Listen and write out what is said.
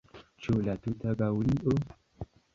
Ĉu la tuta Gaŭlio?